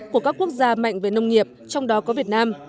của các quốc gia mạnh về nông nghiệp trong đó có việt nam